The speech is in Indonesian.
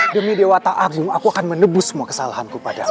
demi dewata agung aku akan menebus semua kesalahanku padamu